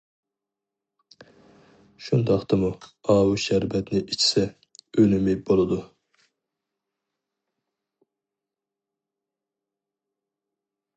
شۇنداقتىمۇ ئاۋۇ شەربەتنى ئىچسە ئۈنۈمى بولىدۇ.